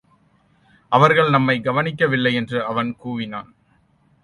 அவர்கள் நம்மைக் கவனிக்கவில்லை என்று அவன் கூவினான்.